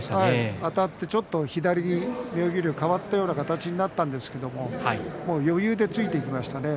あたって、ちょっと左に妙義龍変わった形になったんですけど余裕でついてきましたね。